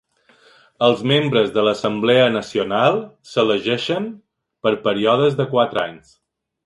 Els membres de l'Assemblea Nacional s'elegeixen per períodes de quatre anys.